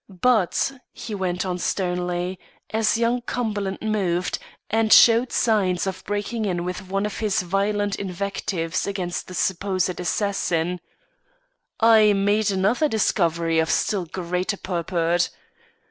But," he went on sternly, as young Cumberland moved, and showed signs of breaking in with one of his violent invectives against the supposed assassin, "I made another discovery of still greater purport.